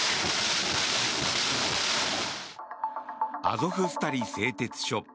アゾフスタリ製鉄所。